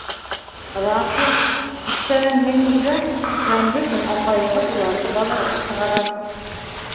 Раҫ ул. Кистәрен мин үрәм, шәмбе көн апайығыҙ уларҙы баҙарға сығара.